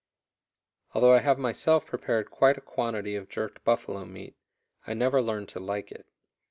Although I have myself prepared quite a quantity of jerked buffalo meat, I never learned to like it.